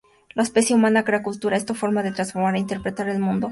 La especie humana crea cultura, esto es, formas de transformar e interpretar el mundo.